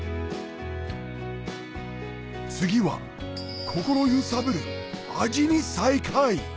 次は心揺さぶる味に再会！